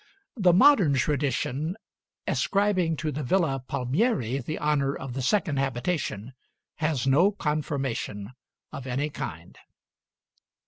The modern tradition ascribing to the Villa Palmieri the honor of the second habitation has no confirmation of any kind.